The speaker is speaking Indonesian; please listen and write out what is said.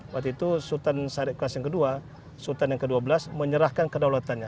waktu itu sultan syarif qasim ii sultan yang ke dua belas menyerahkan kedaulatannya